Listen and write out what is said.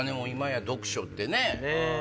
今や読書ってね。